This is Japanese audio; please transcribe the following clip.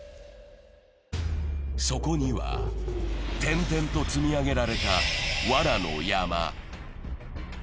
そこには、点々と積み上げられたわらの山。